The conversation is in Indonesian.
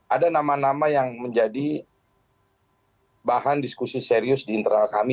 ada nama nama yang menjadi bahan diskusi serius di internal kami